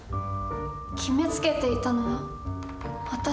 決めつけていたのは私？